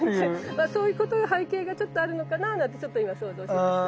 まあそういうことが背景がちょっとあるのかななんてちょっと今想像しました。